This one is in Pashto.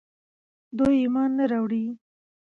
دوی ايمان نه راوړي